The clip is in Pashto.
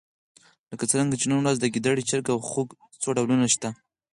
لکه څرنګه چې نن ورځ د ګېدړې، چرګ او خوګ څو ډولونه شته.